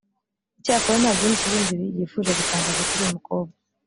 Icyakora nta byinshi bindi yifuje gutangaza kuri uyu mukowa